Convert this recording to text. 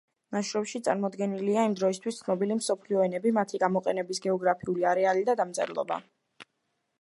ნაშრომში წარმოდგენილია იმ დროისთვის ცნობილი მსოფლიო ენები, მათი გამოყენების გეოგრაფიული არეალი და დამწერლობა.